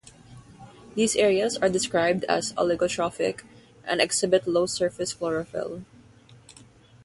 These areas are described as oligotrophic and exhibit low surface chlorophyll.